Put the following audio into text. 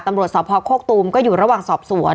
ตำรวจสพโคกตูมก็อยู่ระหว่างสอบสวน